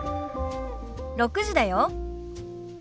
６時だよ。